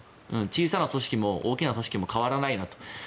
小さな組織も大きな組織も変わらないと。